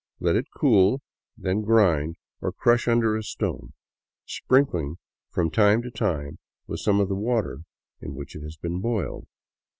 Let it cool, then grind, or crush under a stone, sprinkling from time to time with some of the water in which it has been boiled.